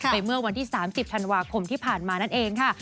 เมื่อวันที่๓๐ธันวาคมที่ผ่านมานั่นเองค่ะ